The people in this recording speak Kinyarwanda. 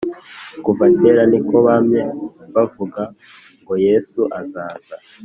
kuva kera niko bamye bavuga ngo yesu azaza